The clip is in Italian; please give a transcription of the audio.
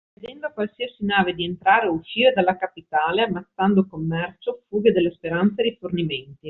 Impedendo a qualsiasi nave di entrare o uscire dalla capitale, ammazzando commercio, fughe della speranza e rifornimenti.